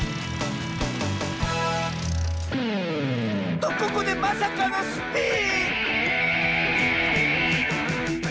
とここでまさかのスピン！